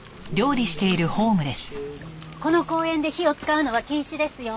この公園で火を使うのは禁止ですよ。